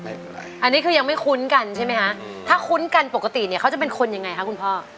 อันนี้คือยังไม่คุ้นกันใช่ไหมคะถ้าคุ้นกันปกติเนี่ยเขาจะเป็นคนยังไงคะคุณพ่อ